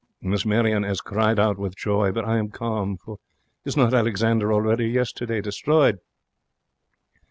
Miss Marion 'as cried out with joy. But I am calm, for is not Alexander already yesterday destroyed?